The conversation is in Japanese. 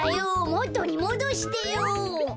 もとにもどしてよ。